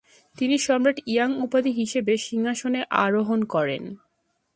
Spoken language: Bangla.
তিনি সম্রাট ইয়াং উপাধি নিয়ে সিংহাসনে আরোহণ করেন।